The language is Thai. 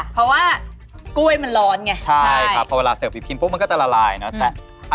เพราะว่ากุ้ยมันร้อนไงใช่ค่ะเพราะเวลาเสิร์ฟอีกพิมพ์มันก็จะละลายเนอะ